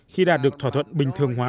khi đạt được thỏa thuận bình thường hóa